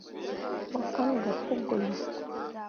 Mo kan gah pu golok.